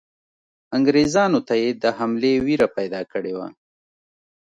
انګریزانو ته یې د حملې وېره پیدا کړې وه.